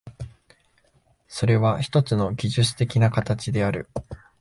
それはひとつの技術的な形である。